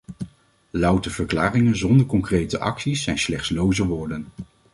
Louter verklaringen zonder concrete acties zijn slechts loze woorden.